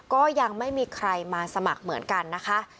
ก็ยังไม่มีใครมาสมัครเหมือนกันนะคะ